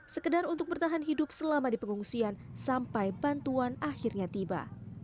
sekedar untuk bertahan hidup selama di pengungsian sampai bantuan akhirnya tiba